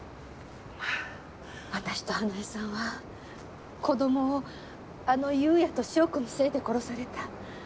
私と花絵さんは子供をあの裕也と祥子のせいで殺された。